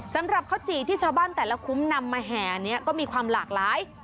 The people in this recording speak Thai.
สำหรับข้าวจี่ที่ชาวบ้านแต่ละคุ้มนำมาแห่นี้ก็มีความหลากหลาย